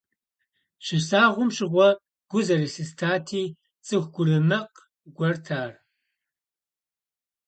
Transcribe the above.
Щыслъэгъуам щыгъуэ гу зэрылъыстати, цӀыху гурымыкъ гуэрт ар.